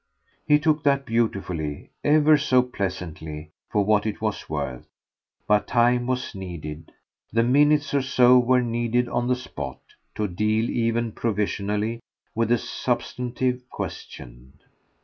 He took that beautifully, ever so pleasantly, for what it was worth; but time was needed the minutes or so were needed on the spot to deal even provisionally with the substantive question.